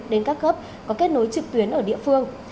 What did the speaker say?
đến các cấp có kết nối trực tuyến ở địa phương